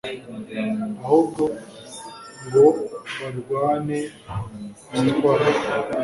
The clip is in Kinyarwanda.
ahubwo ngo barwane gitwari